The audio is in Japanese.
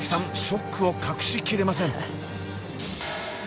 ショックを隠し切れません。